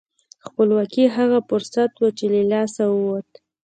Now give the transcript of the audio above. خپلواکي هغه فرصت و چې له لاسه ووت.